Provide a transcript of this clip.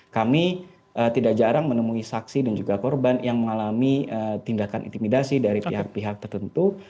kami tidak jarang menemui saksi dan juga korban yang mengalami tindakan intimidasi dari pihak pihak tertentu